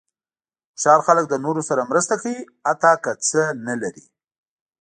هوښیار خلک د نورو سره مرسته کوي، حتی که څه نه لري.